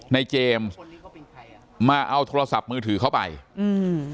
ในเจมส์มาเอาโทรศัพท์มือถือเข้าไปอืม